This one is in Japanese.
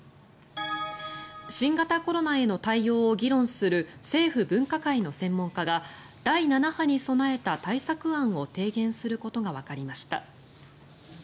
新型コロナへの対応を議論する政府分科会の専門家が第７波に備えた対策案を提言することがわかりました。